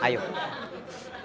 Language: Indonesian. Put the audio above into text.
banyak rumah tapi sepi